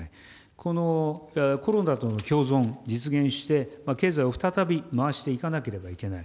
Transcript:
このコロナとの共存、実現して、経済を再び回していかなければいけない。